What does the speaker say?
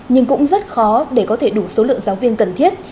nhưng cũng rất khó để có thể đủ số lượng giáo viên cần thiết